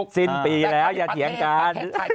สิ้นปีแล้วยันเขียงการ